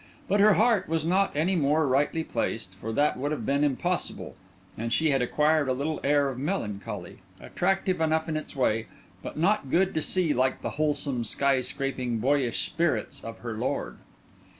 But her heart was not any more rightly placed, for that would have been impossible; and she had acquired a little air of melancholy, attractive enough in its way, but not good to see like the wholesome, sky scraping, boyish spirits of her lord.